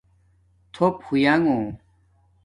تھوپ ہوینݣہ